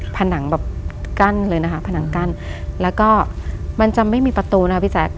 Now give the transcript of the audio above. ผนังแบบกั้นเลยนะคะผนังกั้นแล้วก็มันจะไม่มีประตูนะคะพี่แจ๊ค